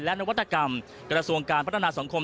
และนวัตกรรมกระทรวงการพัฒนาสังคม